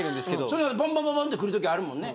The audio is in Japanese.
それがボンボンボンボンって来る時あるもんね。